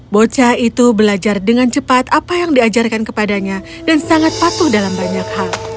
bocah itu belajar dengan cepat apa yang diajarkan kepadanya dan sangat patuh dalam banyak hal